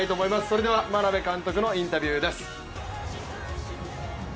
それでは眞鍋監督のインタビューです。